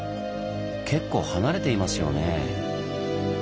結構離れていますよねぇ。